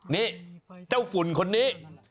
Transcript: นี่เจ้าฝุ่นคนนี้